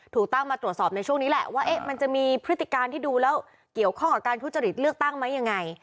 ถูกตั้งมาตรวจสอบในช่วงนี้แหละว่ามันจะมีพฤติการที่ดูแล้วเกี่ยวข้องกับการทุจริตเลือกตั้งไหมยังไง